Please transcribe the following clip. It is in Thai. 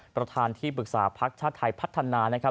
ประทานที่ปรึกษาภักดิ์ชะไทยพัฒนา